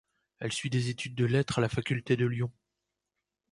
Elle suit des études de lettres à la faculté de Lyon.